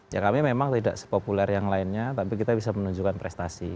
ya kami memang tidak sepopuler yang lainnya tapi kita bisa menunjukkan prestasi